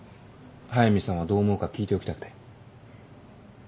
速見さんはどう思うか聞いておきたくて